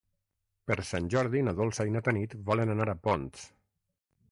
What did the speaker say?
Per Sant Jordi na Dolça i na Tanit volen anar a Ponts.